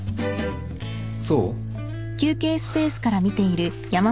そう？